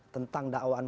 tentang dakwaan perang